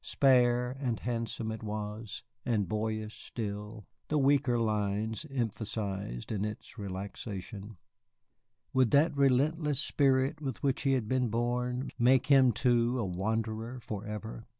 Spare and handsome it was, and boyish still, the weaker lines emphasized in its relaxation. Would that relentless spirit with which he had been born make him, too, a wanderer forever?